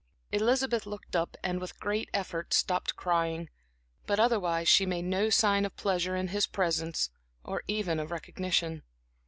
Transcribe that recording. Elizabeth looked up and with great effort, stopped crying; but otherwise she made no sign of pleasure in his presence or even of recognition.